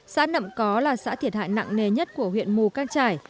xã nậm có là xã thiệt hại nặng nề nhất của huyện mù căng trải